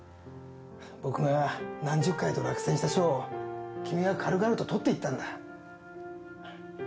僕が何十回と落選した賞を君が軽々と取っていったんだ。